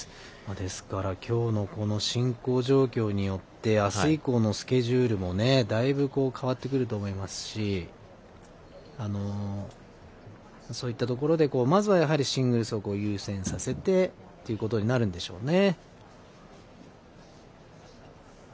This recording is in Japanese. ですからきょうの進行状況によってあす以降のスケジュールもだいぶ変わってくると思いますしそういったところでまずはシングルスを優先させてということになるんでしょうね。